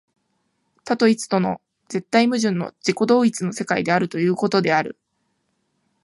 多と一との絶対矛盾の自己同一の世界であるということである。